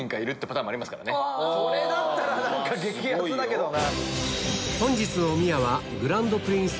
それだったら激熱だけどな。